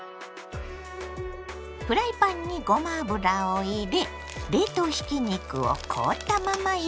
フライパンにごま油を入れ冷凍ひき肉を凍ったまま入れます。